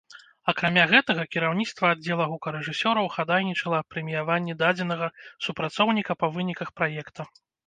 Акрамя гэтага, кіраўніцтва аддзела гукарэжысёраў хадайнічала аб прэміяванні дадзенага супрацоўніка па выніках праекта.